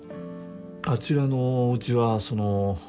あちらのおうちはそのう。